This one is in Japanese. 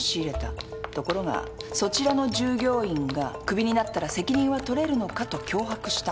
ところがそちらの従業員が「クビになったら責任は取れるのか」と脅迫した。